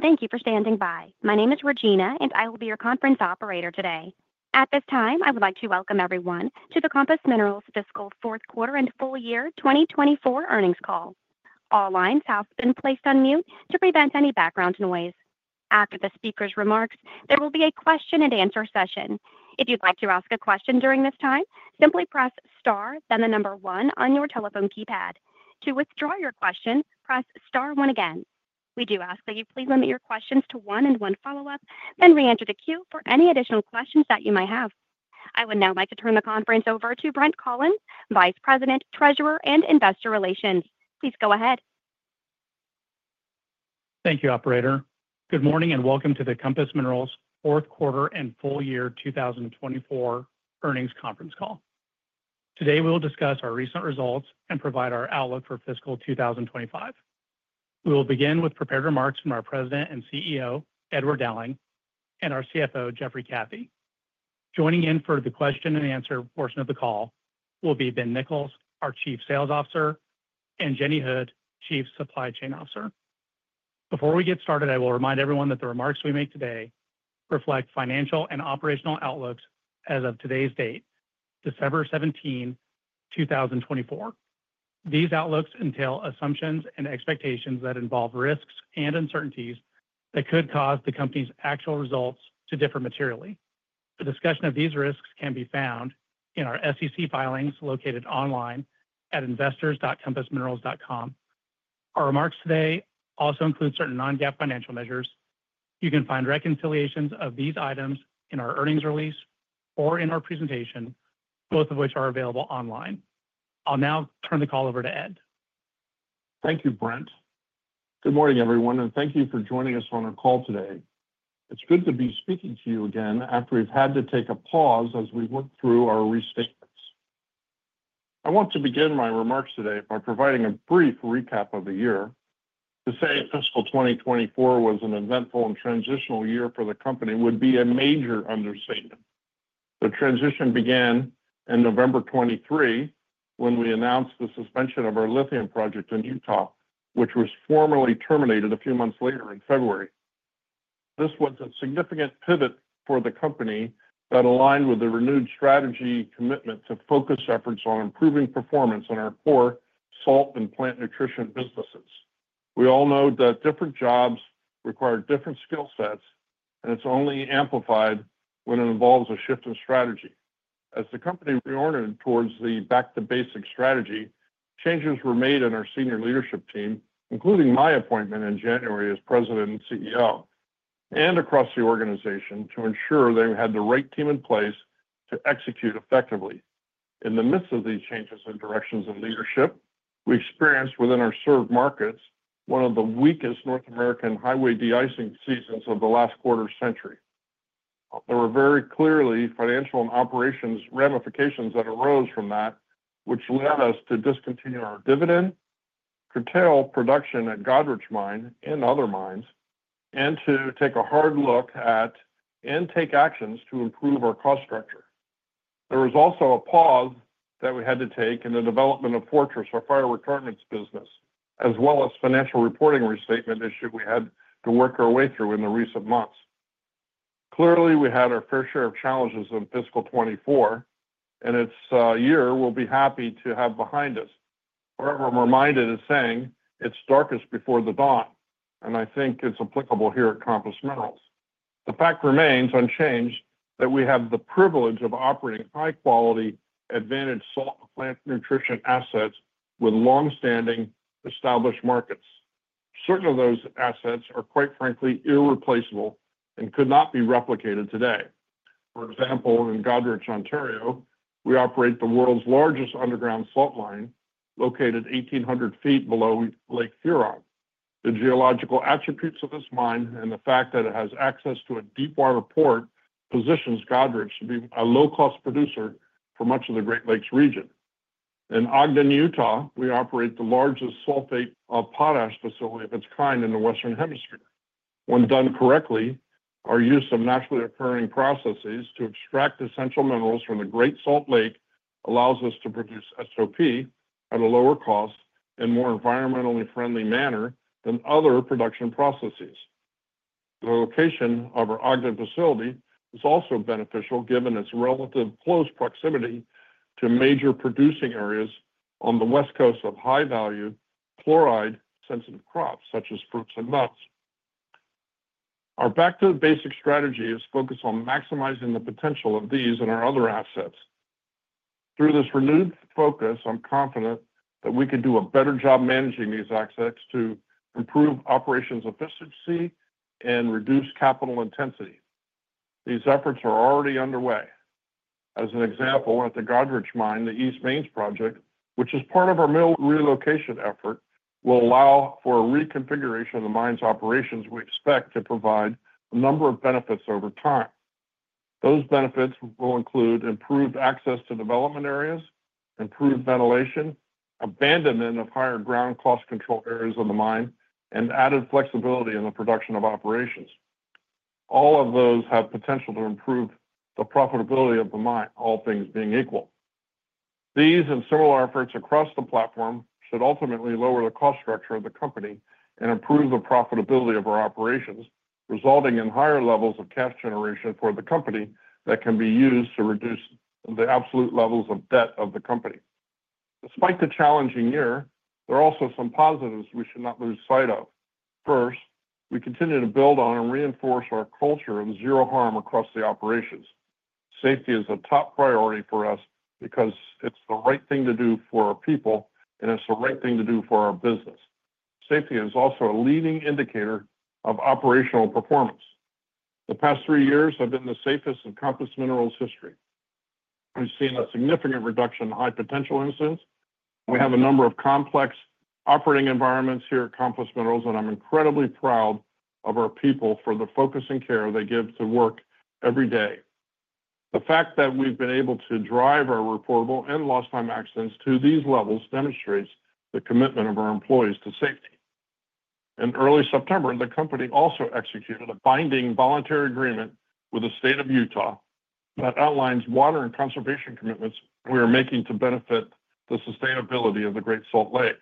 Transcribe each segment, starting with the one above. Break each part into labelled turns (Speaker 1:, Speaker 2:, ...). Speaker 1: Thank you for standing by. My name is Regina, and I will be your conference operator today. At this time, I would like to welcome everyone to the Compass Minerals fiscal fourth quarter and full year 2024 earnings call. All lines have been placed on mute to prevent any background noise. After the speaker's remarks, there will be a question-and-answer session. If you'd like to ask a question during this time, simply press star, then the number one on your telephone keypad. To withdraw your question, press star one again. We do ask that you please limit your questions to one and one follow-up, then re-enter the queue for any additional questions that you may have. I would now like to turn the conference over to Brent Collins, Vice President, Treasurer, and Investor Relations. Please go ahead.
Speaker 2: Thank you, Operator. Good morning and welcome to the Compass Minerals fourth quarter and full year 2024 earnings conference call. Today, we will discuss our recent results and provide our outlook for fiscal 2025. We will begin with prepared remarks from our President and CEO, Edward Dowling, and our CFO, Jeffrey Cathey. Joining in for the question-and-answer portion of the call will be Ben Nichols, our Chief Sales Officer, and Jenny Hood, Chief Supply Chain Officer. Before we get started, I will remind everyone that the remarks we make today reflect financial and operational outlooks as of today's date, December 17, 2024. These outlooks entail assumptions and expectations that involve risks and uncertainties that could cause the company's actual results to differ materially. The discussion of these risks can be found in our SEC filings located online at investors.compassminerals.com. Our remarks today also include certain non-GAAP financial measures. You can find reconciliations of these items in our earnings release or in our presentation, both of which are available online. I'll now turn the call over to Ed.
Speaker 3: Thank you, Brent. Good morning, everyone, and thank you for joining us on our call today. It's good to be speaking to you again after we've had to take a pause as we work through our restatements. I want to begin my remarks today by providing a brief recap of the year to say fiscal 2024 was an eventful and transitional year for the company would be a major understatement. The transition began in November 2023 when we announced the suspension of our lithium project in Utah, which was formally terminated a few months later in February. This was a significant pivot for the company that aligned with the renewed strategy commitment to focus efforts on improving performance in our core salt and plant nutrition businesses. We all know that different jobs require different skill sets, and it's only amplified when it involves a shift in strategy. As the company reoriented towards the back-to-basic strategy, changes were made in our senior leadership team, including my appointment in January as President and CEO, and across the organization to ensure they had the right team in place to execute effectively. In the midst of these changes in directions and leadership, we experienced within our served markets one of the weakest North American highway de-icing seasons of the last quarter century. There were very clearly financial and operations ramifications that arose from that, which led us to discontinue our dividend, curtail production at Goderich Mine and other mines, and to take a hard look at and take actions to improve our cost structure. There was also a pause that we had to take in the development of Fortress, our fire retardants business, as well as the financial reporting restatement issue we had to work our way through in the recent months. Clearly, we had our fair share of challenges in fiscal 2024, and it's a year we'll be happy to have behind us. However, I'm reminded of the saying it's darkest before the dawn, and I think it's applicable here at Compass Minerals. The fact remains unchanged that we have the privilege of operating high-quality, advantaged salt and plant nutrition assets with longstanding, established markets. Certain of those assets are quite frankly irreplaceable and could not be replicated today. For example, in Goderich, Ontario, we operate the world's largest underground salt mine located 1,800 feet below Lake Huron. The geological attributes of this mine and the fact that it has access to a deep water port positions Goderich to be a low-cost producer for much of the Great Lakes region. In Ogden, Utah, we operate the largest sulfate of potash facility of its kind in the Western Hemisphere. When done correctly, our use of naturally occurring processes to extract essential minerals from the Great Salt Lake allows us to produce SOP at a lower cost and more environmentally friendly manner than other production processes. The location of our Ogden facility is also beneficial given its relative close proximity to major producing areas on the west coast of high-value chloride-sensitive crops such as fruits and nuts. Our back-to-basic strategy is focused on maximizing the potential of these and our other assets. Through this renewed focus, I'm confident that we could do a better job managing these assets to improve operations efficiency and reduce capital intensity. These efforts are already underway. As an example, at the Goderich Mine, the East Mains project, which is part of our mill relocation effort, will allow for a reconfiguration of the mine's operations we expect to provide a number of benefits over time. Those benefits will include improved access to development areas, improved ventilation, abandonment of higher ground cost control areas of the mine, and added flexibility in the production of operations. All of those have potential to improve the profitability of the mine, all things being equal. These and similar efforts across the platform should ultimately lower the cost structure of the company and improve the profitability of our operations, resulting in higher levels of cash generation for the company that can be used to reduce the absolute levels of debt of the company. Despite the challenging year, there are also some positives we should not lose sight of. First, we continue to build on and reinforce our culture of zero harm across the operations. Safety is a top priority for us because it's the right thing to do for our people, and it's the right thing to do for our business. Safety is also a leading indicator of operational performance. The past three years have been the safest in Compass Minerals history. We've seen a significant reduction in high potential incidents. We have a number of complex operating environments here at Compass Minerals, and I'm incredibly proud of our people for the focus and care they give to work every day. The fact that we've been able to drive our reportable and lost time accidents to these levels demonstrates the commitment of our employees to safety. In early September, the company also executed a binding voluntary agreement with the state of Utah that outlines water and conservation commitments we are making to benefit the sustainability of the Great Salt Lake.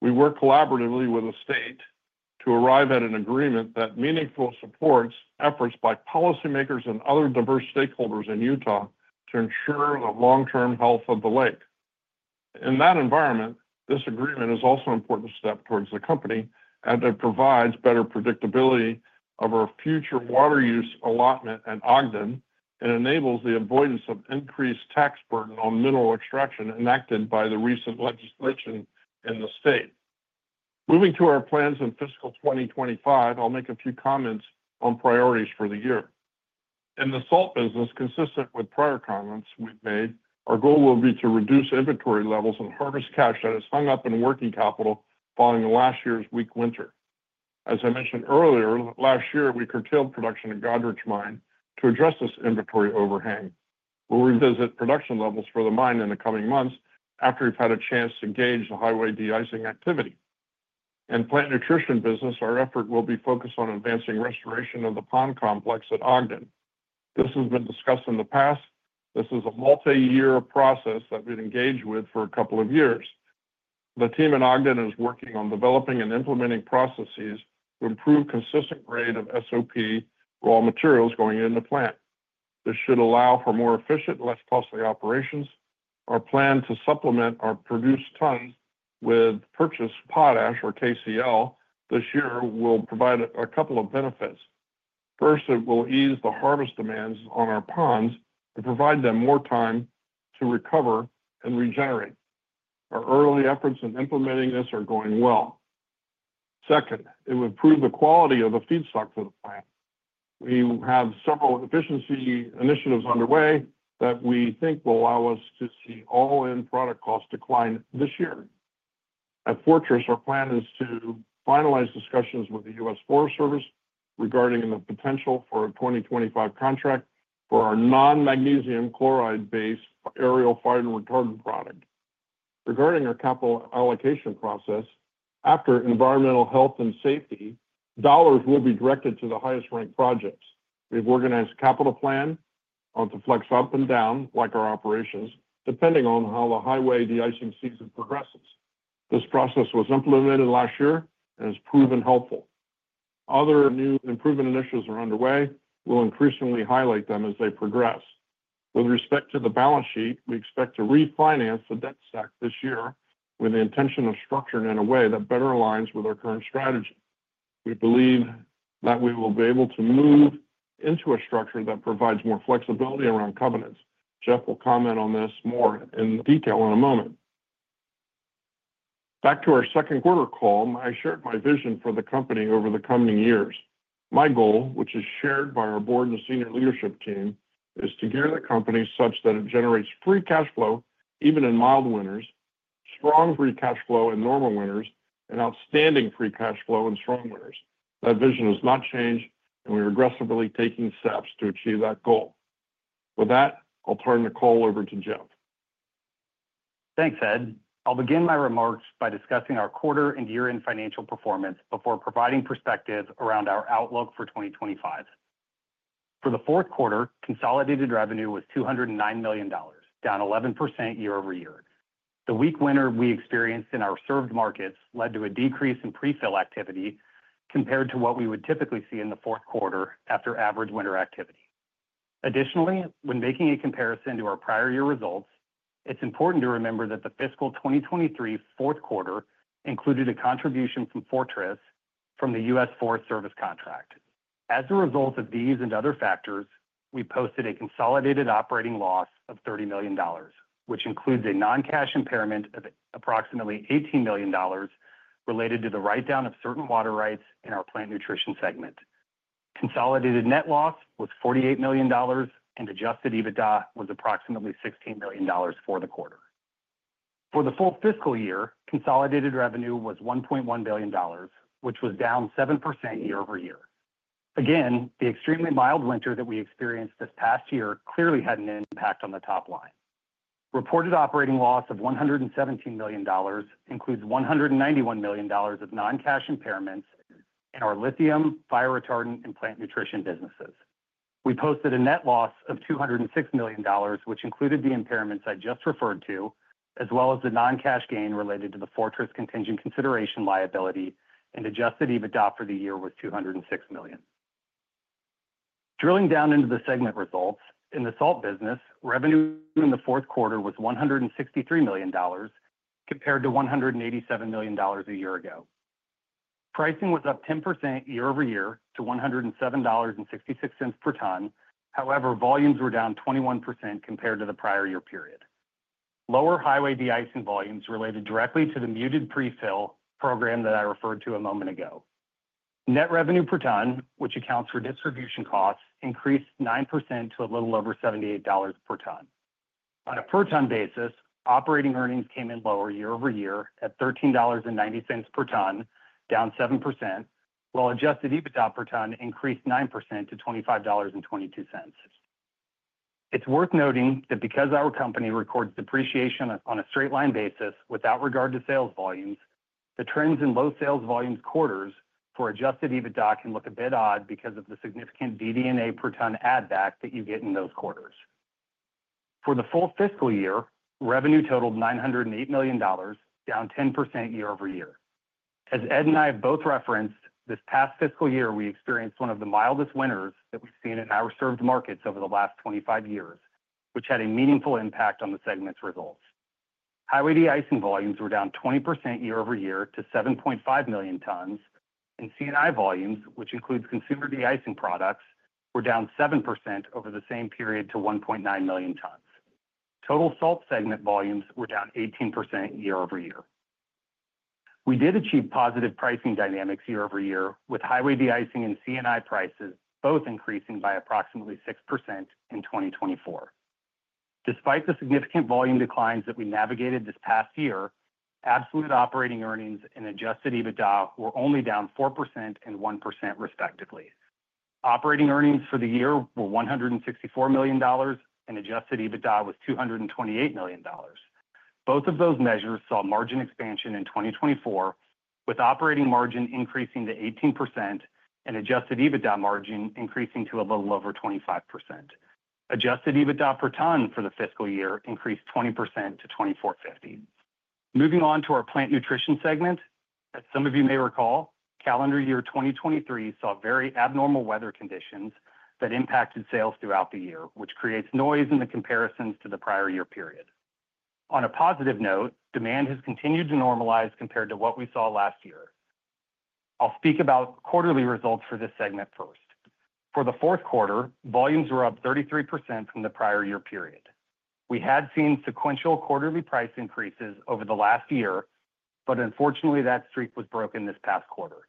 Speaker 3: We work collaboratively with the state to arrive at an agreement that meaningfully supports efforts by policymakers and other diverse stakeholders in Utah to ensure the long-term health of the lake. In that environment, this agreement is also an important step towards the company as it provides better predictability of our future water use allotment at Ogden and enables the avoidance of increased tax burden on mineral extraction enacted by the recent legislation in the state. Moving to our plans in fiscal 2025, I'll make a few comments on priorities for the year. In the salt business, consistent with prior comments we've made, our goal will be to reduce inventory levels and harvest cash that is hung up in working capital following last year's weak winter. As I mentioned earlier, last year we curtailed production at Goderich Mine to address this inventory overhang. We'll revisit production levels for the mine in the coming months after we've had a chance to gauge the highway de-icing activity. In plant nutrition business, our effort will be focused on advancing restoration of the pond complex at Ogden. This has been discussed in the past. This is a multi-year process that we've engaged with for a couple of years. The team at Ogden is working on developing and implementing processes to improve the consistent grade of SOP raw materials going into the plant. This should allow for more efficient, less costly operations. Our plan to supplement our produced tons with purchased potash, or KCl, this year will provide a couple of benefits. First, it will ease the harvest demands on our ponds and provide them more time to recover and regenerate. Our early efforts in implementing this are going well. Second, it will improve the quality of the feedstock for the plant. We have several efficiency initiatives underway that we think will allow us to see all-in product cost decline this year. At Fortress, our plan is to finalize discussions with the U.S. Forest Service regarding the potential for a 2025 contract for our non-magnesium chloride-based aerial fire retardant product. Regarding our capital allocation process, after environmental health and safety, dollars will be directed to the highest-ranked projects. We've organized a capital plan to flex up and down, like our operations, depending on how the highway de-icing season progresses. This process was implemented last year and has proven helpful. Other new improvement initiatives are underway. We'll increasingly highlight them as they progress. With respect to the balance sheet, we expect to refinance the debt stack this year with the intention of structuring it in a way that better aligns with our current strategy. We believe that we will be able to move into a structure that provides more flexibility around covenants. Jeff will comment on this more in detail in a moment. Back to our second quarter call, I shared my vision for the company over the coming years. My goal, which is shared by our board and senior leadership team, is to gear the company such that it generates free cash flow even in mild winters, strong free cash flow in normal winters, and outstanding free cash flow in strong winters. That vision has not changed, and we are aggressively taking steps to achieve that goal. With that, I'll turn the call over to Jeff.
Speaker 4: Thanks, Ed. I'll begin my remarks by discussing our quarter and year-end financial performance before providing perspectives around our outlook for 2025. For the fourth quarter, consolidated revenue was $209 million, down 11% year-over-year. The weak winter we experienced in our served markets led to a decrease in prefill activity compared to what we would typically see in the fourth quarter after average winter activity. Additionally, when making a comparison to our prior year results, it's important to remember that the fiscal 2023 fourth quarter included a contribution from Fortress from the U.S. Forest Service contract. As a result of these and other factors, we posted a consolidated operating loss of $30 million, which includes a non-cash impairment of approximately $18 million related to the write-down of certain water rights in our Plant Nutrition segment. Consolidated net loss was $48 million, and Adjusted EBITDA was approximately $16 million for the quarter. For the full fiscal year, consolidated revenue was $1.1 billion, which was down 7% year-over-year. Again, the extremely mild winter that we experienced this past year clearly had an impact on the top line. Reported operating loss of $117 million includes $191 million of non-cash impairments in our lithium, fire retardant, and Plant Nutrition businesses. We posted a net loss of $206 million, which included the impairments I just referred to, as well as the non-cash gain related to the Fortress contingent consideration liability, and Adjusted EBITDA for the year was $206 million. Drilling down into the segment results, in the salt business, revenue in the fourth quarter was $163 million compared to $187 million a year ago. Pricing was up 10% year-over-year to $107.66 per ton. However, volumes were down 21% compared to the prior year period. Lower highway de-icing volumes related directly to the muted prefill program that I referred to a moment ago. Net revenue per ton, which accounts for distribution costs, increased 9% to a little over $78 per ton. On a per-ton basis, operating earnings came in lower year-over-year at $13.90 per ton, down 7%, while adjusted EBITDA per ton increased 9% to $25.22. It's worth noting that because our company records depreciation on a straight-line basis without regard to sales volumes, the trends in low sales volumes quarters for adjusted EBITDA can look a bit odd because of the significant DD&A per ton add-back that you get in those quarters. For the full fiscal year, revenue totaled $908 million, down 10% year-over-year. As Ed and I have both referenced, this past fiscal year, we experienced one of the mildest winters that we've seen in our served markets over the last 25 years, which had a meaningful impact on the segment's results. Highway de-icing volumes were down 20% year-over-year to 7.5 million tons, and C&I volumes, which includes consumer de-icing products, were down 7% over the same period to 1.9 million tons. Total salt segment volumes were down 18% year-over-year. We did achieve positive pricing dynamics year-over-year, with Highway de-icing and C&I prices both increasing by approximately 6% in 2024. Despite the significant volume declines that we navigated this past year, absolute operating earnings and Adjusted EBITDA were only down 4% and 1% respectively. Operating earnings for the year were $164 million, and Adjusted EBITDA was $228 million. Both of those measures saw margin expansion in 2024, with operating margin increasing to 18% and Adjusted EBITDA margin increasing to a little over 25%. Adjusted EBITDA per ton for the fiscal year increased 20% to $24.50. Moving on to our plant nutrition segment, as some of you may recall, calendar year 2023 saw very abnormal weather conditions that impacted sales throughout the year, which creates noise in the comparisons to the prior year period. On a positive note, demand has continued to normalize compared to what we saw last year. I'll speak about quarterly results for this segment first. For the fourth quarter, volumes were up 33% from the prior year period. We had seen sequential quarterly price increases over the last year, but unfortunately, that streak was broken this past quarter.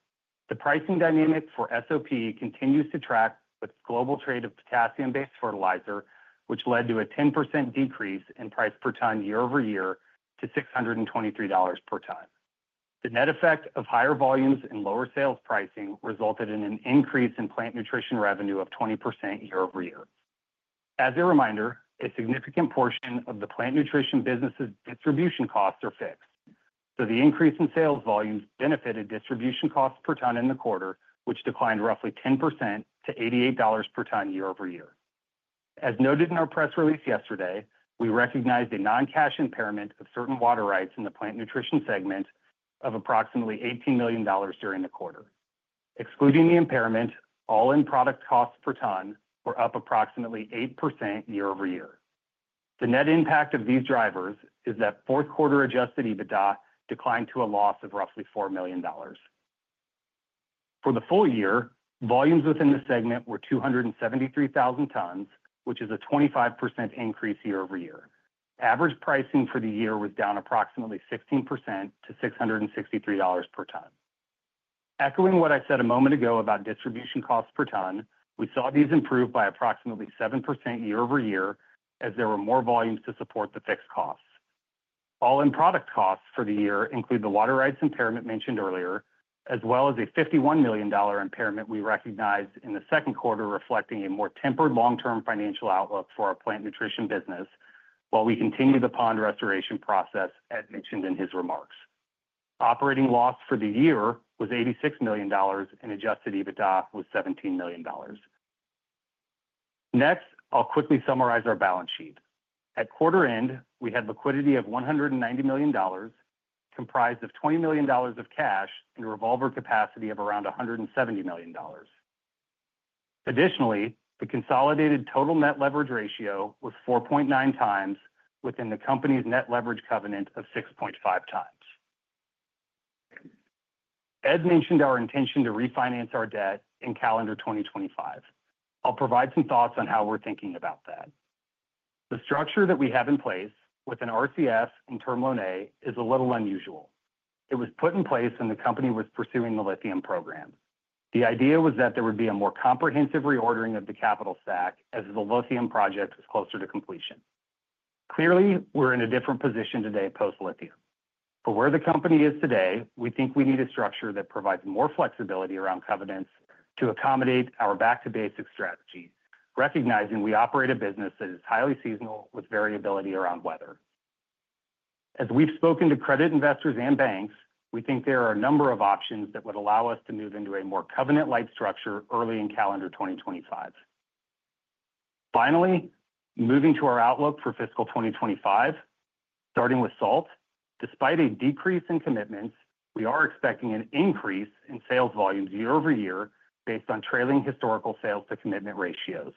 Speaker 4: The pricing dynamic for SOP continues to track with global trade of potassium-based fertilizer, which led to a 10% decrease in price per ton year-over-year to $623 per ton. The net effect of higher volumes and lower sales pricing resulted in an increase in Plant Nutrition revenue of 20% year-over-year. As a reminder, a significant portion of the Plant Nutrition business's distribution costs are fixed, so the increase in sales volumes benefited distribution costs per ton in the quarter, which declined roughly 10% to $88 per ton year-over-year. As noted in our press release yesterday, we recognized a non-cash impairment of certain water rights in the Plant Nutrition segment of approximately $18 million during the quarter. Excluding the impairment, all-in product costs per ton were up approximately 8% year-over-year. The net impact of these drivers is that fourth quarter adjusted EBITDA declined to a loss of roughly $4 million. For the full year, volumes within the segment were 273,000 tons, which is a 25% increase year-over-year. Average pricing for the year was down approximately 16% to $663 per ton. Echoing what I said a moment ago about distribution costs per ton, we saw these improve by approximately 7% year-over-year as there were more volumes to support the fixed costs. All-in product costs for the year include the water rights impairment mentioned earlier, as well as a $51 million impairment we recognized in the second quarter reflecting a more tempered long-term financial outlook for our Plant Nutrition business while we continue the pond restoration process, as mentioned in his remarks. Operating loss for the year was $86 million, and Adjusted EBITDA was $17 million. Next, I'll quickly summarize our balance sheet. At quarter end, we had liquidity of $190 million, comprised of $20 million of cash and a revolver capacity of around $170 million. Additionally, the consolidated total net leverage ratio was 4.9 times within the company's net leverage covenant of 6.5 times. Ed mentioned our intention to refinance our debt in calendar 2025. I'll provide some thoughts on how we're thinking about that. The structure that we have in place with an RCF and Term Loan A is a little unusual. It was put in place when the company was pursuing the lithium program. The idea was that there would be a more comprehensive reordering of the capital stack as the lithium project was closer to completion. Clearly, we're in a different position today post-lithium. For where the company is today, we think we need a structure that provides more flexibility around covenants to accommodate our back-to-basic strategy, recognizing we operate a business that is highly seasonal with variability around weather. As we've spoken to credit investors and banks, we think there are a number of options that would allow us to move into a more covenant-like structure early in calendar 2025. Finally, moving to our outlook for fiscal 2025, starting with salt, despite a decrease in commitments, we are expecting an increase in sales volumes year-over-year based on trailing historical sales-to-commitment ratios.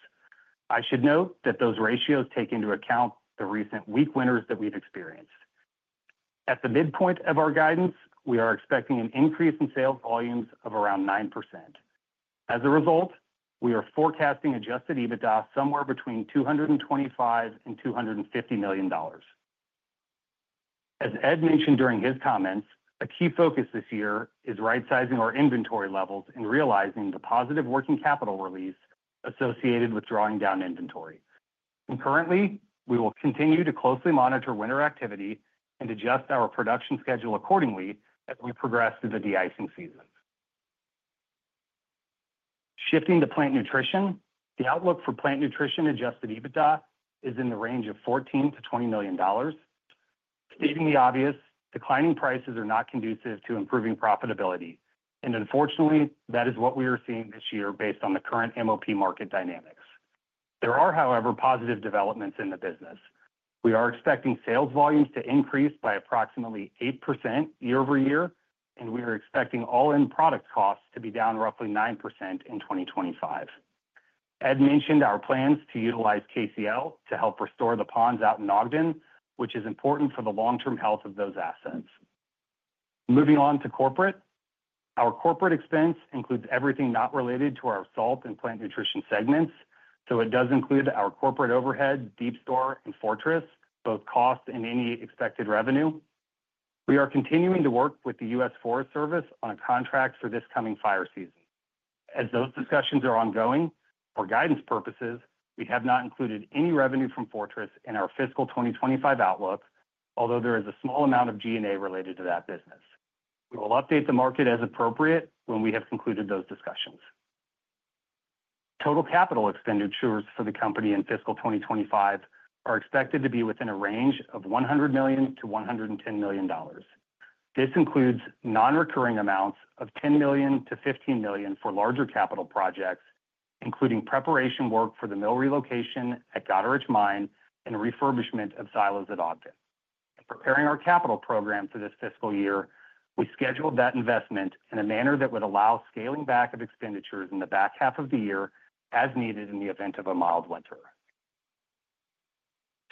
Speaker 4: I should note that those ratios take into account the recent weak winters that we've experienced. At the midpoint of our guidance, we are expecting an increase in sales volumes of around 9%. As a result, we are forecasting Adjusted EBITDA somewhere between $225 million and $250 million. As Ed mentioned during his comments, a key focus this year is right-sizing our inventory levels and realizing the positive working capital release associated with drawing down inventory. And currently, we will continue to closely monitor winter activity and adjust our production schedule accordingly as we progress through the de-icing season. Shifting to plant nutrition, the outlook for plant nutrition Adjusted EBITDA is in the range of $14-$20 million. Stating the obvious, declining prices are not conducive to improving profitability, and unfortunately, that is what we are seeing this year based on the current MOP market dynamics. There are, however, positive developments in the business. We are expecting sales volumes to increase by approximately 8% year-over-year, and we are expecting all-in product costs to be down roughly 9% in 2025. Ed mentioned our plans to utilize KCl to help restore the ponds out in Ogden, which is important for the long-term health of those assets. Moving on to corporate, our corporate expense includes everything not related to our salt and plant nutrition segments, so it does include our corporate overhead, DeepStore, and Fortress, both cost and any expected revenue. We are continuing to work with the U.S. Forest Service on a contract for this coming fire season. As those discussions are ongoing, for guidance purposes, we have not included any revenue from Fortress in our fiscal 2025 outlook, although there is a small amount of G&A related to that business. We will update the market as appropriate when we have concluded those discussions. Total capital expenditures for the company in fiscal 2025 are expected to be within a range of $100 million-$110 million. This includes non-recurring amounts of $10 million-$15 million for larger capital projects, including preparation work for the mill relocation at Goderich Mine and refurbishment of silos at Ogden. In preparing our capital program for this fiscal year, we scheduled that investment in a manner that would allow scaling back of expenditures in the back half of the year as needed in the event of a mild winter.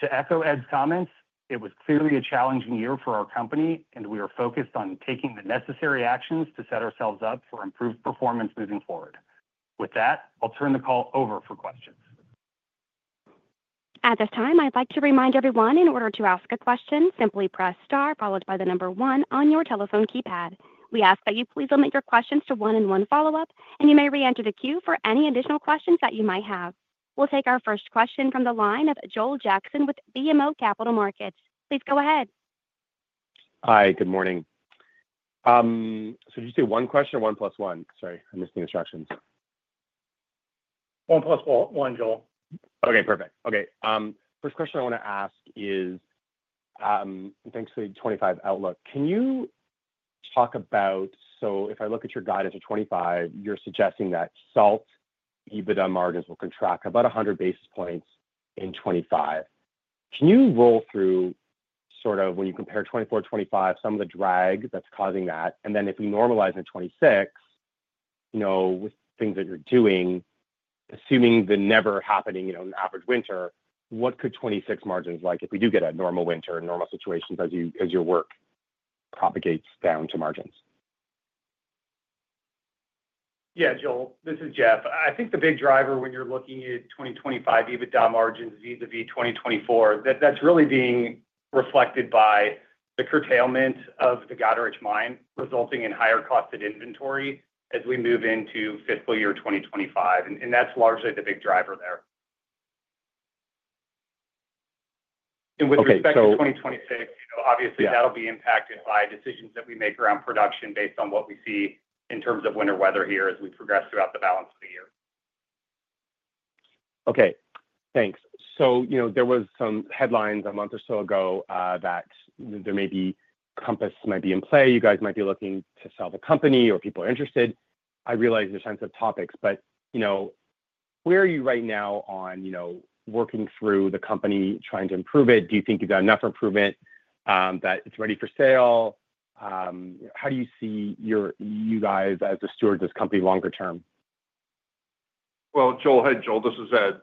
Speaker 4: To echo Ed's comments, it was clearly a challenging year for our company, and we are focused on taking the necessary actions to set ourselves up for improved performance moving forward. With that, I'll turn the call over for questions.
Speaker 1: At this time, I'd like to remind everyone, in order to ask a question, simply press star followed by the number one on your telephone keypad. We ask that you please limit your questions to one-and-one follow-up, and you may re-enter the queue for any additional questions that you might have. We'll take our first question from the line of Joel Jackson with BMO Capital Markets. Please go ahead.
Speaker 5: Hi, good morning. So did you say one question or one plus one? Sorry, I'm missing instructions.
Speaker 4: One plus one, Joel.
Speaker 5: Okay, perfect. Okay. First question I want to ask is, thanks for the 2025 outlook. Can you talk about, so if I look at your guidance for 2025, you're suggesting that salt EBITDA margins will contract about 100 basis points in 2025. Can you roll through sort of when you compare 2024 to 2025, some of the drag that's causing that? Then if we normalize in 2026, with things that you're doing, assuming the never happening, an average winter, what could 2026 margins look like if we do get a normal winter, normal situation as your work propagates down to margins?
Speaker 4: Yeah, Joel, this is Jeff. I think the big driver when you're looking at 2025 EBITDA margins vis-à-vis 2024, that's really being reflected by the curtailment of the Goderich Mine, resulting in higher costs at inventory as we move into fiscal year 2025. And that's largely the big driver there. And with respect to 2026, obviously, that'll be impacted by decisions that we make around production based on what we see in terms of winter weather here as we progress throughout the balance of the year.
Speaker 5: Okay, thanks. So there were some headlines a month or so ago that there may be Compass might be in play. You guys might be looking to sell the company, or people are interested. I realize there's tons of topics, but where are you right now on working through the company, trying to improve it? Do you think you've got enough improvement that it's ready for sale? How do you see you guys as the stewards of this company longer term?
Speaker 3: Well, Joel, hey, Joel, this is Ed.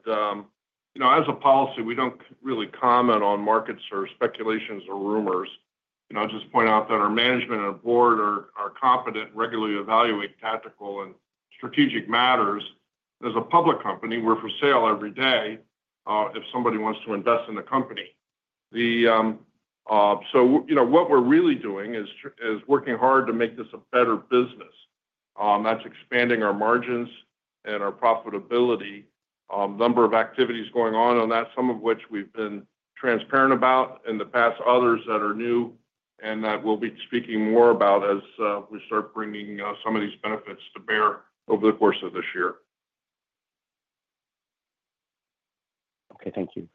Speaker 3: As a policy, we don't really comment on markets or speculations or rumors. I'll just point out that our management and our board are competent, regularly evaluate tactical and strategic matters. As a public company, we're for sale every day if somebody wants to invest in the company. So what we're really doing is working hard to make this a better business. That's expanding our margins and our profitability, number of activities going on on that, some of which we've been transparent about in the past, others that are new and that we'll be speaking more about as we start bringing some of these benefits to bear over the course of this year.
Speaker 5: Okay, thank you.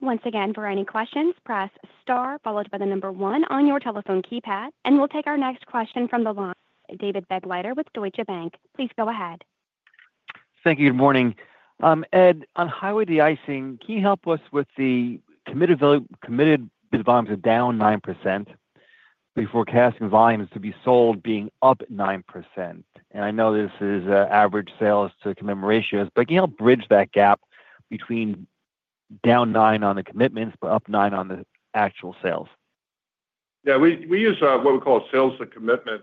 Speaker 1: Once again, for any questions, press star followed by the number one on your telephone keypad, and we'll take our next question from the line. David Begleiter with Deutsche Bank. Please go ahead.
Speaker 6: Thank you. Good morning. Ed, on highway de-icing, can you help us with the committed volumes down 9% versus actual volumes to be sold being up 9%? And I know this is average sales to commitments, but can you help bridge that gap between down 9% on the commitments but up 9% on the actual sales?
Speaker 3: Yeah, we use what we call sales to commitment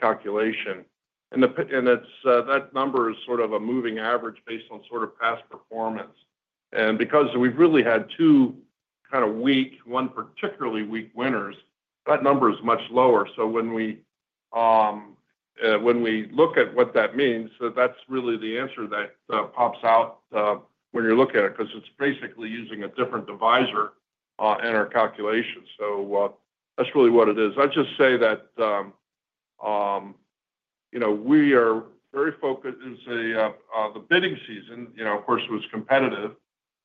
Speaker 3: calculation. And that number is sort of a moving average based on sort of past performance. And because we've really had two kind of weak, one particularly weak winters, that number is much lower. So when we look at what that means, that's really the answer that pops out when you're looking at it because it's basically using a different divisor in our calculation. So that's really what it is. I'd just say that we are very focused on the bidding season. Of course, it was competitive,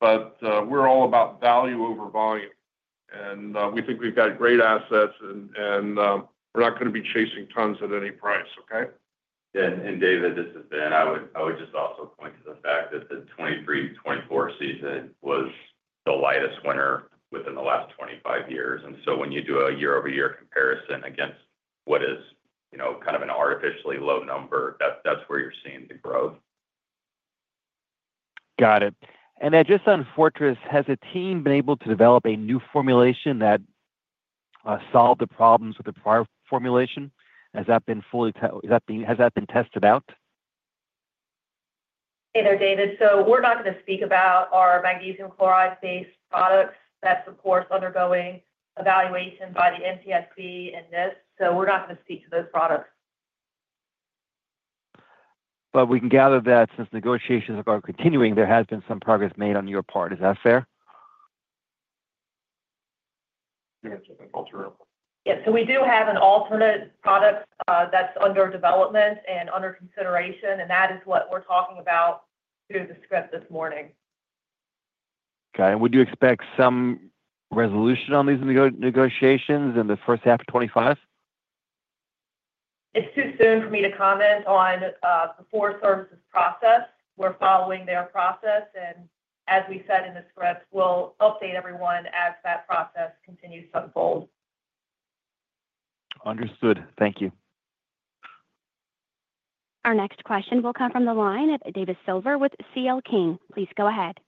Speaker 3: but we're all about value over volume. And we think we've got great assets, and we're not going to be chasing tons at any price, okay?
Speaker 7: Yeah. And David, this is Ben. I would just also point to the fact that the 2023-2024 season was the lightest winter within the last 25 years. And so when you do a year-over-year comparison against what is kind of an artificially low number, that's where you're seeing the growth.
Speaker 6: Got it. And then just on Fortress, has the team been able to develop a new formulation that solved the problems with the prior formulation? Has that been fully tested out?
Speaker 8: Hey there, David. So we're not going to speak about our magnesium chloride-based products that, of course, are undergoing evaluation by the USFS and NIST. So we're not going to speak to those products.
Speaker 6: But we can gather that since negotiations are continuing, there has been some progress made on your part. Is that fair?
Speaker 8: Yeah. So we do have an alternate product that's under development and under consideration, and that is what we're talking about through the script this morning. Okay.
Speaker 6: And would you expect some resolution on these negotiations in the first half of 2025?
Speaker 8: It's too soon for me to comment on the forbearance process. We're following their process. And as we said in the script, we'll update everyone as that process continues to unfold.
Speaker 6: Understood. Thank you.
Speaker 1: Our next question will come from the line of David Silver with CL King. Please go ahead.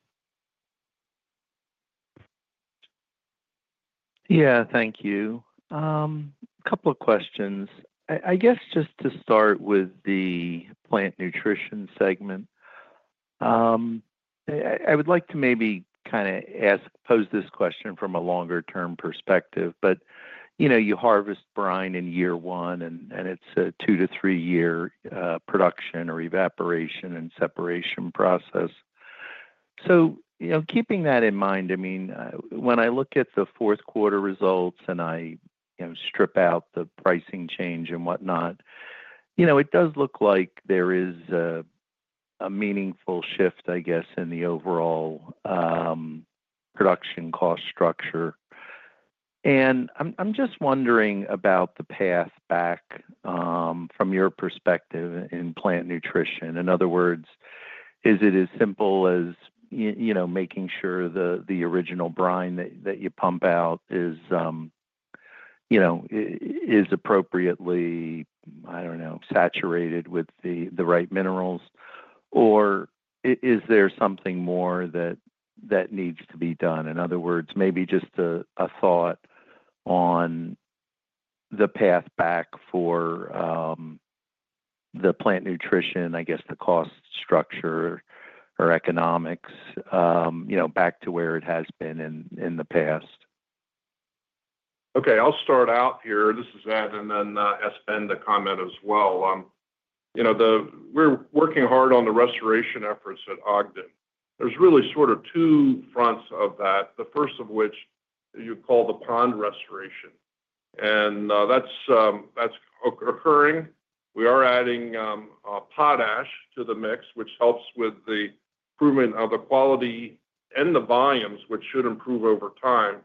Speaker 9: Yeah, thank you. A couple of questions. I guess just to start with the Plant Nutrition segment, I would like to maybe kind of pose this question from a longer-term perspective. But you harvest brine in year one, and it's a two to three-year production or evaporation and separation process. So keeping that in mind, I mean, when I look at the fourth quarter results and I strip out the pricing change and whatnot, it does look like there is a meaningful shift, I guess, in the overall production cost structure. And I'm just wondering about the path back from your perspective in plant nutrition. In other words, is it as simple as making sure the original brine that you pump out is appropriately, I don't know, saturated with the right minerals? Or is there something more that needs to be done? In other words, maybe just a thought on the path back for the plant nutrition, I guess, the cost structure or economics back to where it has been in the past.
Speaker 3: Okay. I'll start out here. This is Ed, and then I'll end the comment as well. We're working hard on the restoration efforts at Ogden. There's really sort of two fronts of that, the first of which you call the pond restoration, and that's occurring. We are adding potash to the mix, which helps with the improvement of the quality and the volumes, which should improve over time.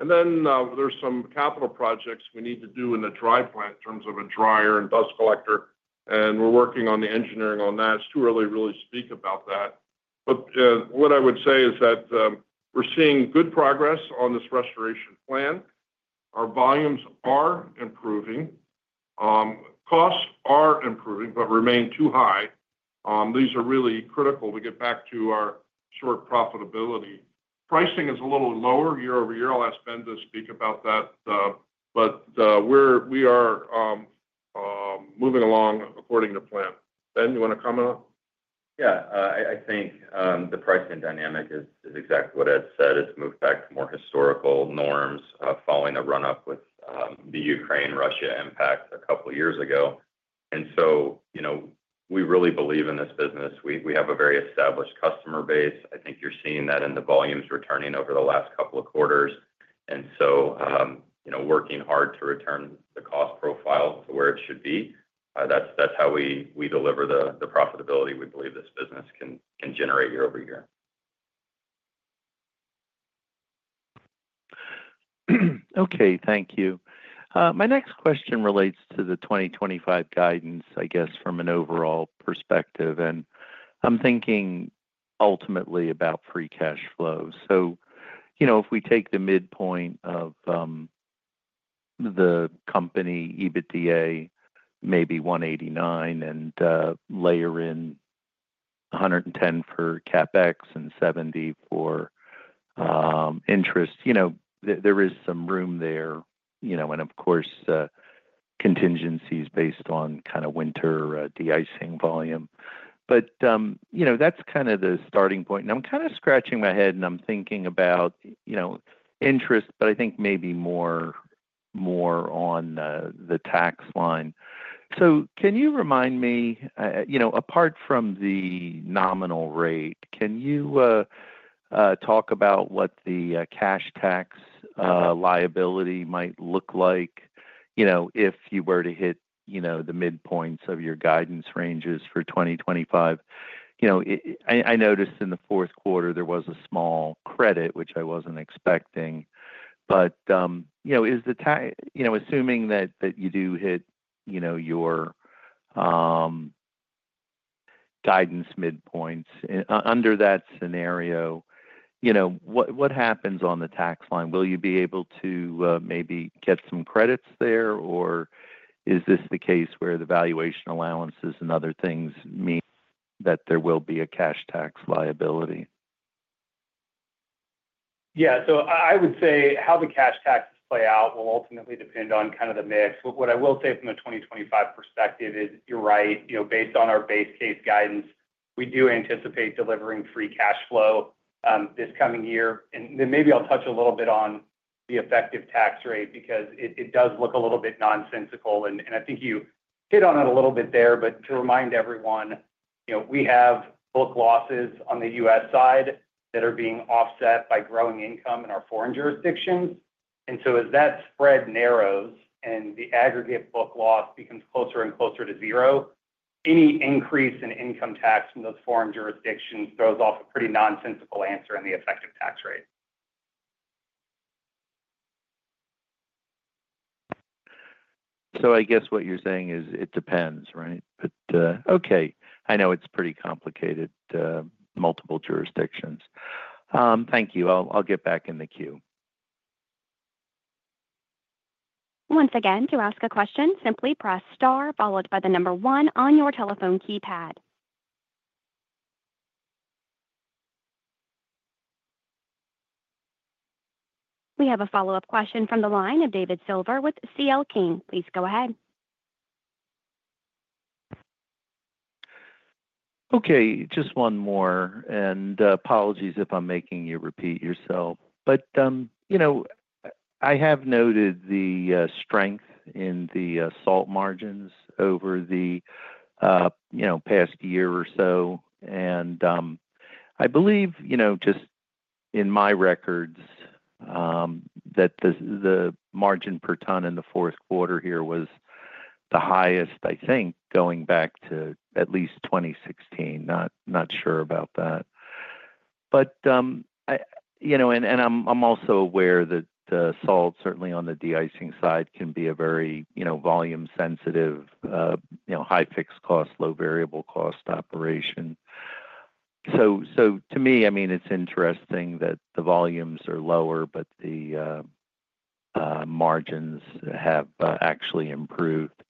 Speaker 3: And then there's some capital projects we need to do in the dry plant in terms of a dryer and dust collector, and we're working on the engineering on that. It's too early to really speak about that, but what I would say is that we're seeing good progress on this restoration plan. Our volumes are improving. Costs are improving, but remain too high. These are really critical. We get back to our salt profitability. Pricing is a little lower year-over-year. I'll ask Ben to speak about that, but we are moving along according to plan. Ben, you want to comment on it? Yeah.
Speaker 7: I think the pricing dynamic is exactly what Ed said. It's moved back to more historical norms following the run-up with the Ukraine-Russia impact a couple of years ago, and so we really believe in this business. We have a very established customer base. I think you're seeing that in the volumes returning over the last couple of quarters, and so working hard to return the cost profile to where it should be. That's how we deliver the profitability we believe this business can generate year-over-year.
Speaker 9: Okay. Thank you. My next question relates to the 2025 guidance, I guess, from an overall perspective, and I'm thinking ultimately about free cash flow, so if we take the midpoint of the company EBITDA, maybe $189, and layer in $110 for CapEx and $70 for interest, there is some room there. Of course, contingencies based on kind of winter de-icing volume. That's kind of the starting point. I'm kind of scratching my head, and I'm thinking about interest, but I think maybe more on the tax line. Can you remind me, apart from the nominal rate, can you talk about what the cash tax liability might look like if you were to hit the midpoints of your guidance ranges for 2025? I noticed in the fourth quarter, there was a small credit, which I wasn't expecting. Is the assuming that you do hit your guidance midpoints, under that scenario, what happens on the tax line? Will you be able to maybe get some credits there? Or is this the case where the valuation allowances and other things mean that there will be a cash tax liability? Yeah.
Speaker 4: Yeah. So I would say how the cash taxes play out will ultimately depend on kind of the mix. What I will say from a 2025 perspective is you're right. Based on our base case guidance, we do anticipate delivering free cash flow this coming year, and then maybe I'll touch a little bit on the effective tax rate because it does look a little bit nonsensical, and I think you hit on it a little bit there, but to remind everyone, we have book losses on the U.S. side that are being offset by growing income in our foreign jurisdictions, and so as that spread narrows and the aggregate book loss becomes closer and closer to zero, any increase in income tax from those foreign jurisdictions throws off a pretty nonsensical answer in the effective tax rate.
Speaker 9: So I guess what you're saying is it depends, right, but okay. I know it's pretty complicated, multiple jurisdictions. Thank you. I'll get back in the queue.
Speaker 1: Once again, to ask a question, simply press star followed by the number one on your telephone keypad. We have a follow-up question from the line of David Silver with CL King. Please go ahead.
Speaker 9: Okay. Just one more. And apologies if I'm making you repeat yourself. But I have noted the strength in the salt margins over the past year or so. And I believe, just in my records, that the margin per ton in the fourth quarter here was the highest, I think, going back to at least 2016. Not sure about that. But and I'm also aware that the salt, certainly on the de-icing side, can be a very volume-sensitive, high fixed cost, low variable cost operation. So to me, I mean, it's interesting that the volumes are lower, but the margins have actually improved.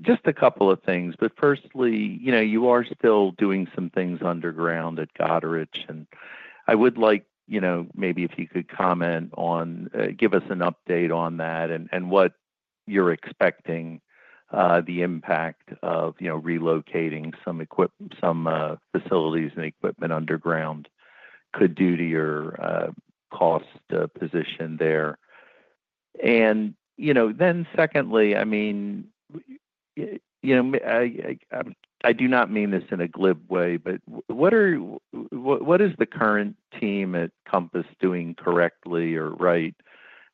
Speaker 9: Just a couple of things. But firstly, you are still doing some things underground at Goderich. And I would like maybe if you could comment on, give us an update on that and what you're expecting the impact of relocating some facilities and equipment underground could do to your cost position there. And then secondly, I mean, I do not mean this in a glib way, but what is the current team at Compass doing correctly or right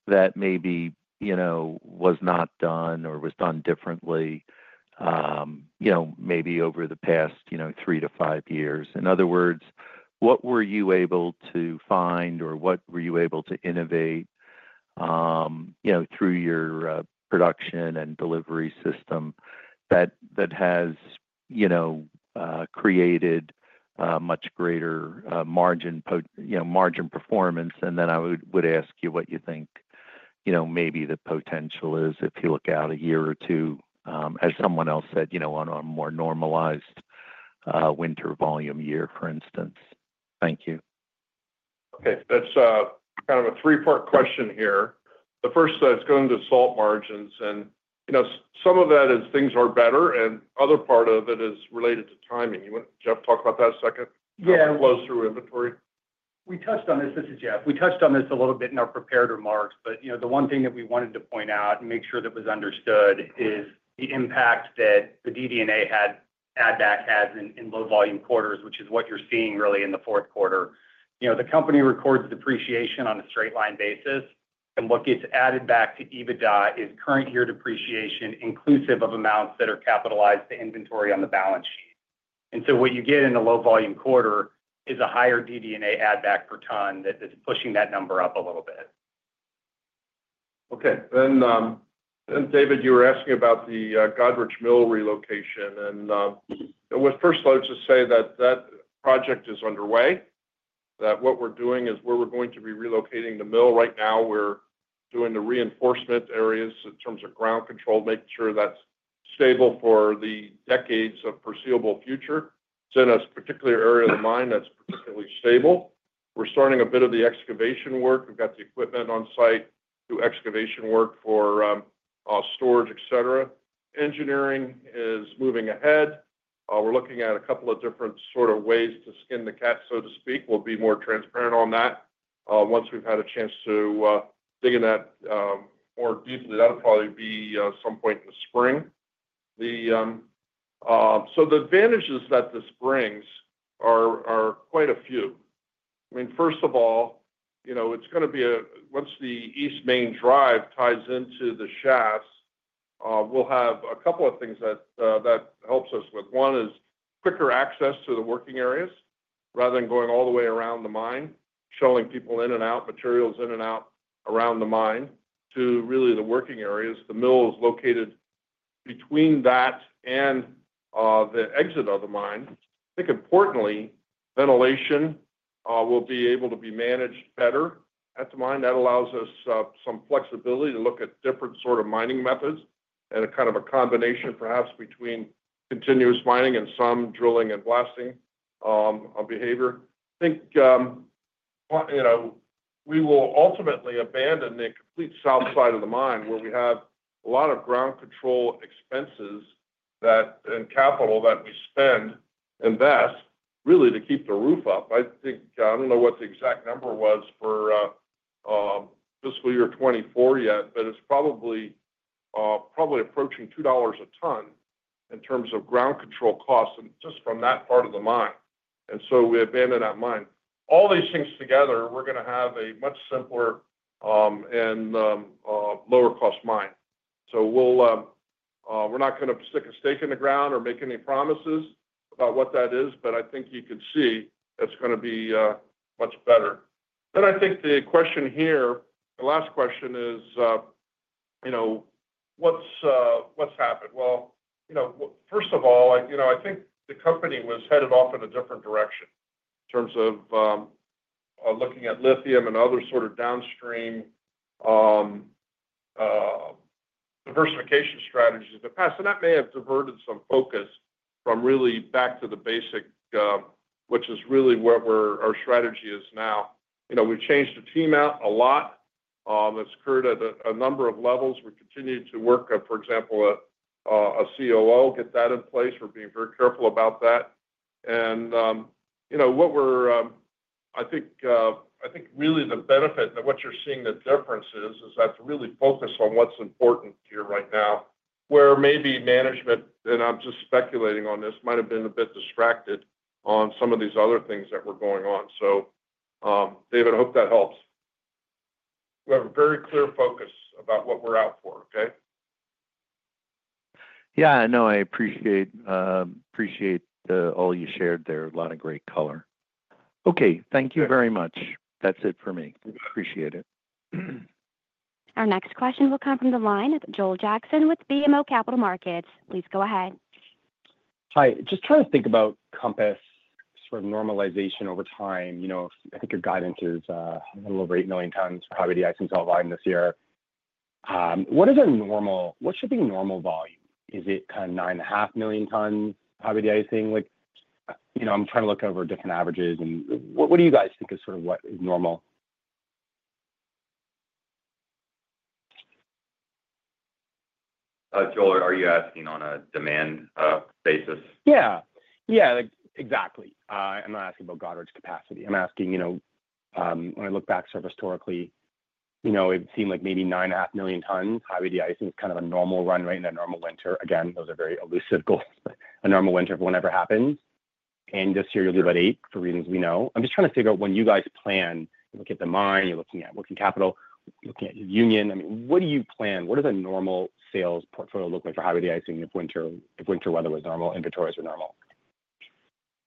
Speaker 9: that maybe was not done or was done differently maybe over the past three to five years? In other words, what were you able to find or what were you able to innovate through your production and delivery system that has created much greater margin performance? And then I would ask you what you think maybe the potential is if you look out a year or two, as someone else said, on a more normalized winter volume year, for instance. Thank you.
Speaker 3: Okay. That's kind of a three-part question here. The first is going to salt margins. Some of that is things are better. The other part of it is related to timing. Jeff, talk about that a second. Close through inventory.
Speaker 4: We touched on this. This is Jeff. We touched on this a little bit in our prepared remarks. The one thing that we wanted to point out and make sure that was understood is the impact that the DD&A add-back has in low-volume quarters, which is what you're seeing really in the fourth quarter. The company records depreciation on a straight-line basis. What gets added back to EBITDA is current-year depreciation inclusive of amounts that are capitalized to inventory on the balance sheet. And so what you get in a low-volume quarter is a higher DD&A add-back per ton that's pushing that number up a little bit.
Speaker 3: Okay. And David, you were asking about the Goderich mill relocation. And I was first allowed to say that that project is underway. That what we're doing is we're going to be relocating the mill right now. We're doing the reinforcement areas in terms of ground control, making sure that's stable for the decades of foreseeable future. It's in a particular area of the mine that's particularly stable. We're starting a bit of the excavation work. We've got the equipment on site to excavation work for storage, etc. Engineering is moving ahead. We're looking at a couple of different sort of ways to skin the cat, so to speak. We'll be more transparent on that once we've had a chance to dig in that more deeply. That'll probably be some point in the spring, so the advantages that this brings are quite a few. I mean, first of all, it's going to be once the East Mains ties into the shafts, we'll have a couple of things that helps us with. One is quicker access to the working areas rather than going all the way around the mine, shuttling people in and out, materials in and out around the mine to really the working areas. The mill is located between that and the exit of the mine. I think importantly, ventilation will be able to be managed better at the mine. That allows us some flexibility to look at different sort of mining methods and kind of a combination perhaps between continuous mining and some drilling and blasting behavior. I think we will ultimately abandon the complete south side of the mine where we have a lot of ground control expenses and capital that we spend and invest really to keep the roof up. I don't know what the exact number was for fiscal year 2024 yet, but it's probably approaching $2 a ton in terms of ground control costs just from that part of the mine, and so we abandon that mine. All these things together, we're going to have a much simpler and lower-cost mine, so we're not going to stick a stake in the ground or make any promises about what that is, but I think you can see that's going to be much better. Then I think the question here, the last question is, what's happened? Well, first of all, I think the company was headed off in a different direction in terms of looking at lithium and other sort of downstream diversification strategies in the past. And that may have diverted some focus from really back to the basic, which is really where our strategy is now. We've changed the team out a lot. That's occurred at a number of levels. We continue to work, for example, a COO, get that in place. We're being very careful about that. And what we're I think really the benefit that what you're seeing the difference is, is that's really focused on what's important here right now, where maybe management, and I'm just speculating on this, might have been a bit distracted on some of these other things that were going on. So David, I hope that helps. We have a very clear focus about what we're out for, okay?
Speaker 9: Yeah. No, I appreciate all you shared there. A lot of great color. Okay. Thank you very much. That's it for me. Appreciate it.
Speaker 1: Our next question will come from the line of Joel Jackson with BMO Capital Markets. Please go ahead.
Speaker 5: Hi. Just trying to think about Compass sort of normalization over time. I think your guidance is a little over 8 million tons for highway de-icing salt line this year. What should be normal volume? Is it kind of 9.5 million tons highway de-icing? I'm trying to look over different averages. And what do you guys think is sort of what is normal?
Speaker 7: Joel, are you asking on a demand basis?
Speaker 5: Yeah. Yeah. Exactly. I'm not asking about Goderich capacity. I'm asking when I look back historically, it seemed like maybe 9.5 million tons highway de-icing is kind of a normal run rate in a normal winter. Again, those are very elusive goals. A normal winter for whenever happens. And this year, you'll do about 8 for reasons we know. I'm just trying to figure out when you guys plan. You're looking at the mine. You're looking at working capital. You're looking at union. I mean, what do you plan? What does a normal sales portfolio look like for highway de-icing if winter weather was normal, inventories were normal?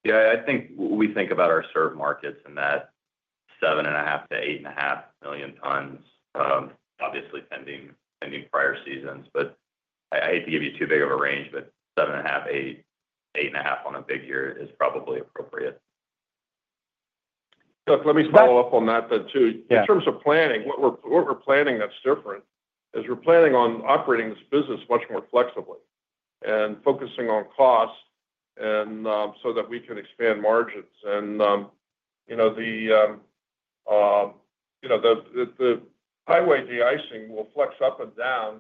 Speaker 7: Yeah. I think we think about our salt markets in that 7.5-8.5 million tons, obviously depending on prior seasons. But I hate to give you too big of a range, but 7.5, 8, 8.5 in a big year is probably appropriate.
Speaker 4: Look, let me follow up on that, though, too. In terms of planning, what we're planning that's different is we're planning on operating this business much more flexibly and focusing on cost so that we can expand margins. And the highway de-icing will flex up and down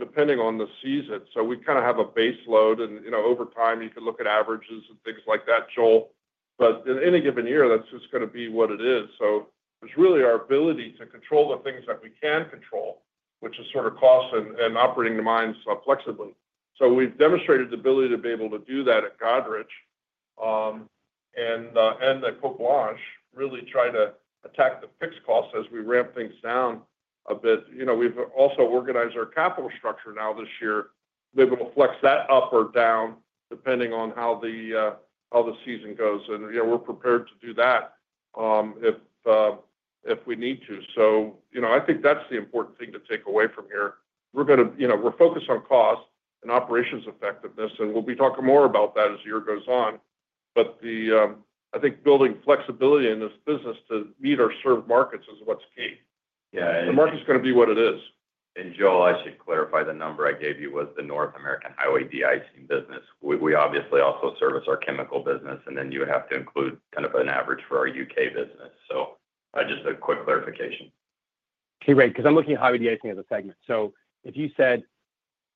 Speaker 4: depending on the season. So we kind of have a base load. And over time, you could look at averages and things like that, Joel. But in any given year, that's just going to be what it is. So it's really our ability to control the things that we can control, which is sort of cost and operating the mines flexibly. So we've demonstrated the ability to be able to do that at Goderich and at Côte Blanche, really try to attack the fixed costs as we ramp things down a bit. We've also organized our capital structure now this year. We're able to flex that up or down depending on how the season goes. And we're prepared to do that if we need to. So I think that's the important thing to take away from here. We're going to focus on cost and operational effectiveness. And we'll be talking more about that as the year goes on. But I think building flexibility in this business to meet our served markets is what's key. The market's going to be what it is.
Speaker 7: And Joel, I should clarify the number I gave you was the North American highway de-icing business. We obviously also service our chemical business. And then you have to include kind of an average for our UK business. So just a quick clarification.
Speaker 5: Okay. Right. Because I'm looking at highway de-icing as a segment. So if you said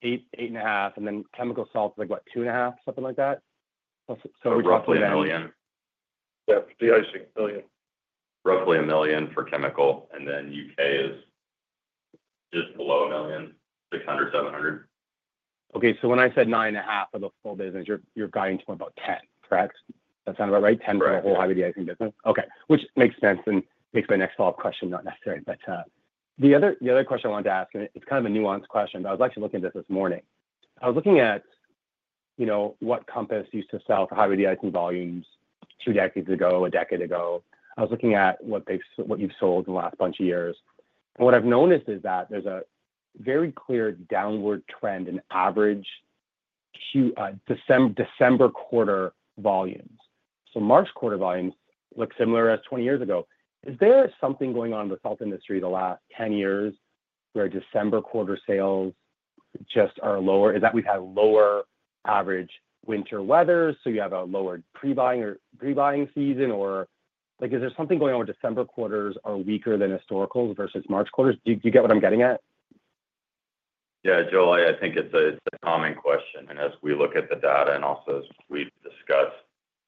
Speaker 5: eight, 8.5, and then chemical salts is like, what, 2.5, something like that?
Speaker 3: So roughly that. Roughly a million.
Speaker 4: Yeah. De-icing, a million.
Speaker 7: Roughly a million for chemical. And then U.K. is just below a million, 600, 700.
Speaker 5: Okay. So when I said 9.5 for the full business, you're guiding to about 10, correct? That sound about right? 10 for the whole highway de-icing business? Correct. Okay. Which makes sense and makes my next follow-up question not necessary. But the other question I wanted to ask, and it's kind of a nuanced question, but I was actually looking at this this morning. I was looking at what Compass used to sell for highway de-icing volumes two decades ago, a decade ago. I was looking at what you've sold in the last bunch of years. What I've noticed is that there's a very clear downward trend in average December quarter volumes. So March quarter volumes look similar as 20 years ago. Is there something going on in the salt industry the last 10 years where December quarter sales just are lower? Is that we've had lower average winter weather, so you have a lower pre-buying season? Or is there something going on where December quarters are weaker than historicals versus March quarters? Do you get what I'm getting at?
Speaker 7: Yeah. Joel, I think it's a common question. And as we look at the data and also as we discuss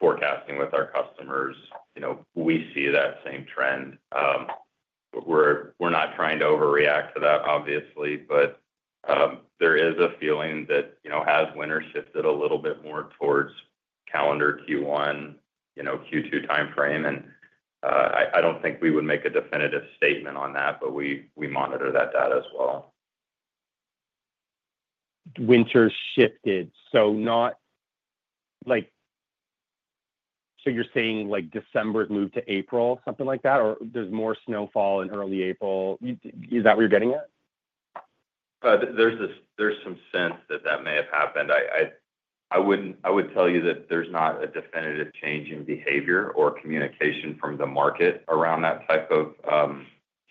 Speaker 7: forecasting with our customers, we see that same trend. We're not trying to overreact to that, obviously. But there is a feeling that winter has shifted a little bit more towards calendar Q1, Q2 timeframe. And I don't think we would make a definitive statement on that, but we monitor that data as well.
Speaker 5: Winter shifted. So you're saying December's moved to April, something like that? Or there's more snowfall in early April? Is that what you're getting at?
Speaker 3: There's some sense that that may have happened. I would tell you that there's not a definitive change in behavior or communication from the market around that type of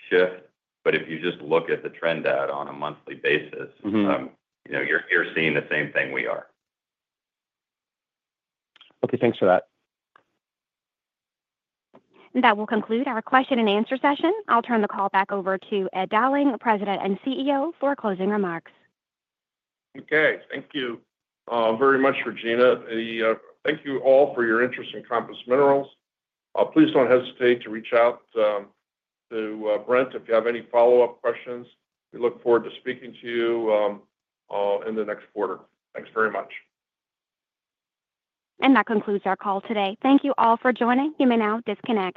Speaker 3: shift. But if you just look at the trend data on a monthly basis, you're seeing the same thing we are.
Speaker 5: Okay. Thanks for that.
Speaker 1: And that will conclude our question and answer session. I'll turn the call back over to Ed Dowling, President and CEO, for closing remarks.
Speaker 3: Okay. Thank you very much, Regina. Thank you all for your interest in Compass Minerals. Please don't hesitate to reach out to Brent if you have any follow-up questions. We look forward to speaking to you in the next quarter. Thanks very much.
Speaker 1: And that concludes our call today. Thank you all for joining. You may now disconnect.